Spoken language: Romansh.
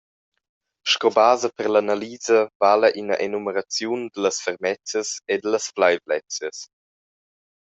Sco basa per l’analisa vala ina enumeraziun dallas fermezias e dallas fleivlezias.